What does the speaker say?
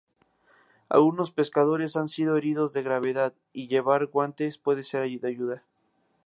Algunos pescadores han sido heridos de gravedad, y llevar guantes puede ser de ayuda.